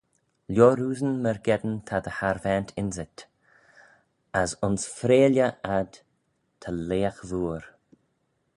Lioroosyn myrgeddin ta dty harvaant ynsit: as ayns freaylley ad ta leagh vooar.